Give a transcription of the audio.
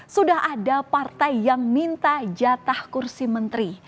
sudah ada partai yang minta jatah kursi menteri